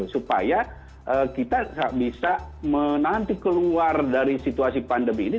supaya kita bisa menanti keluar dari situasi pandemi ini